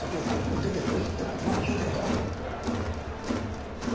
出てるまだ出てるから。